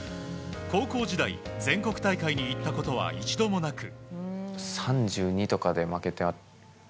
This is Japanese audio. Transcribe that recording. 高校時代、全国大会に行ったことは一度もなく。